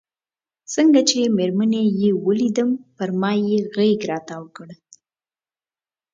څنګه چې مېرمنې یې ولیدم پر ما یې غېږ را وتاو کړل.